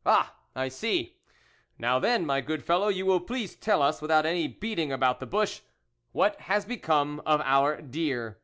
" Ah ! I see. Now then, my good fellow, you will please tell us, without any beating about the bush, what has become of our deer."